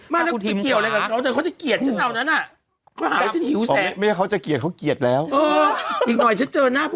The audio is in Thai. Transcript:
มาเราก็ไปเกี่ยวอะไรกับเค้าเธอเคยจะเกลียดฉันเหตุแต่ละนะ